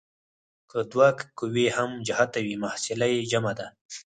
که دوه قوې هم جهته وي محصله یې جمع ده.